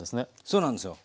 そうなんですよ。